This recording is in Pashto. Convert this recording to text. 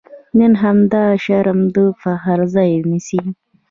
نن همدا شرم د فخر ځای نیسي.